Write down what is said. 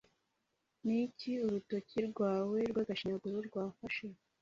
niki urutoki rwawe rwagashinyaguro rwafashe